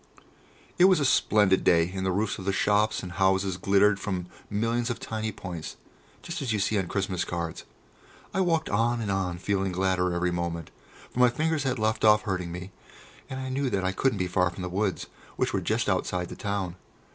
It was a splendid day, and the roofs of the shops and houses glittered from millions of tiny points, just as you see on Christmas cards. I walked on and on, feeling gladder every moment, for my fingers had left off hurting me and I knew that I couldn't be far from the woods, which were just outside the town.